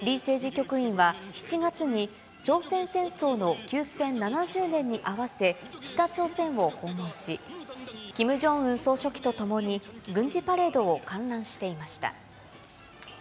局員は、７月に朝鮮戦争の休戦７０年に合わせ北朝鮮を訪問し、キム・ジョンウン総書記とともに、軍事パレードを観覧していました。